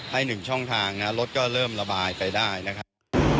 ให้๑ช่องทางนะรถก็เริ่มระบายไปได้นะครับ